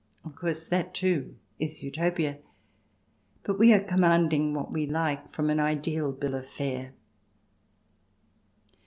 Of course that, too, is Utopia, but we are commanding what we like from an ideal bill of fare.